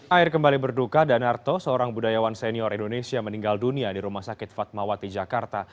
air kembali berduka danarto seorang budayawan senior indonesia meninggal dunia di rumah sakit fatmawati jakarta